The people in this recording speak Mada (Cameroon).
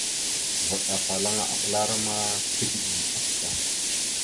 Vvaɗ afalaŋana aɓəlara ma tigəɗal afta.